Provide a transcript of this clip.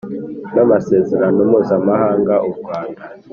n amasezerano mpuzamahanga u Rwanda